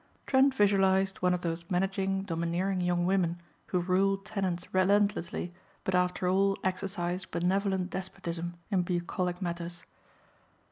Trent visualized one of those managing domineering young women who rule tenants relentlessly but after all exercise benevolent despotism in bucolic matters.